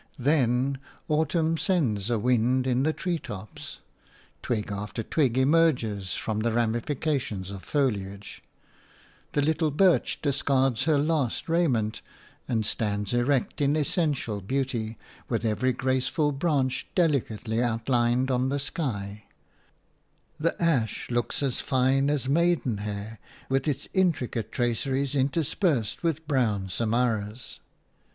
Then autumn sends a wind in the treetops; twig after twig emerges from the ramifications of foliage; the little birch discards her last raiment, and stands erect in essential beauty with every graceful branch delicately outlined on the sky; the ash looks as fine as maidenhair with its intricate traceries interspersed with brown samaras.